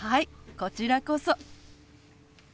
こちらこそ。